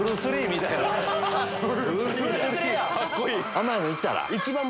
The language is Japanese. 甘いのいったら？